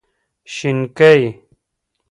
شينکۍ